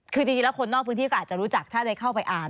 คือจริงแล้วคนนอกพื้นที่ก็อาจจะรู้จักถ้าได้เข้าไปอ่าน